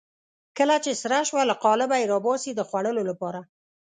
کله چې سره شوه له قالبه یې راباسي د خوړلو لپاره.